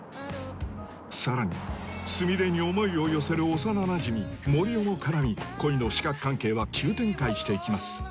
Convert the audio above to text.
さらにスミレに思いを寄せる幼馴染森生も絡み恋の四角関係は急展開していきます